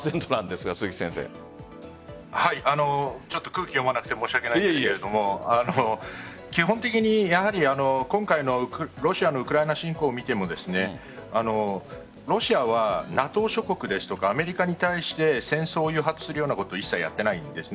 空気を読まなくて申し訳ないですが基本的に今回のロシアのウクライナ侵攻を見てもロシアはＮＡＴＯ諸国ですとかアメリカに対して戦争を誘発するようなことはやっていないんです。